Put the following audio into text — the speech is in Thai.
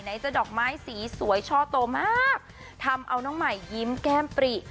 จะดอกไม้สีสวยช่อโตมากทำเอาน้องใหม่ยิ้มแก้มปริ